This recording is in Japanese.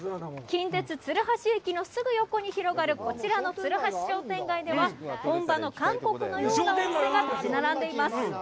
近鉄鶴橋駅のすぐ横に広がるこちらの鶴橋商店街では本場の韓国のようなお店が立ち並んでいます。